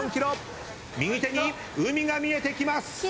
右手に海が見えてきます。